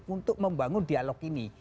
untuk membangun dialog ini